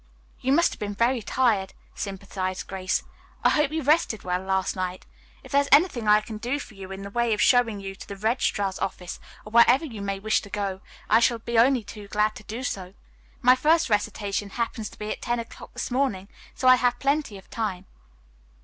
"You must have been very tired," sympathized Grace. "I hope you rested well last night. If there is anything I can do for you in the way of showing you to the registrar's office or wherever you may wish to go, I shall be only too glad to do so. My first recitation happens to be at ten o'clock this morning, so I have plenty of time."